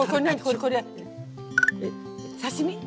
刺身？